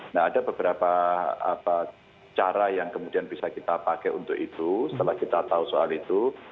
nah ada beberapa cara yang kemudian bisa kita pakai untuk itu setelah kita tahu soal itu